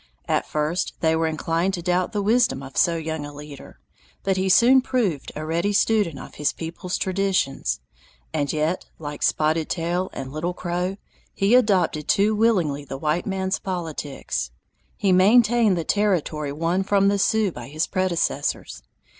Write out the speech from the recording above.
At first they were inclined to doubt the wisdom of so young a leader, but he soon proved a ready student of his people's traditions, and yet, like Spotted Tail and Little Crow, he adopted too willingly the white man's politics. He maintained the territory won from the Sioux by his predecessors.